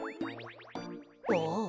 ああ。